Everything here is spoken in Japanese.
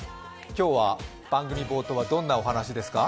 今日は番組冒頭はどんなお話ですか？